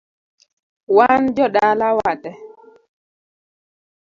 Wan jodala watee